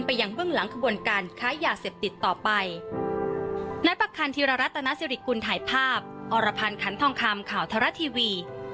ยังเบื้องหลังขบวนการค้ายาเสพติดต่อไป